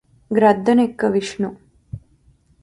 గ్రద్దనెక్కె Vishnu